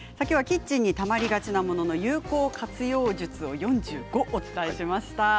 きょうはキッチンにたまりがちなものの有効活用術を４５お伝えしました。